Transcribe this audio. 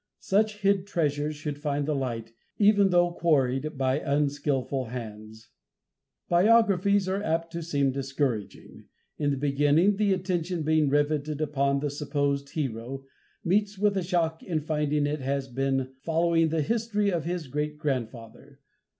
Such hid treasure should find the light, even though quarried by unskillful hands. Biographies are apt to seem discouraging, in the beginning; the attention being riveted upon the supposed hero, meets with a shock in finding it has been following the history of his great grandfather.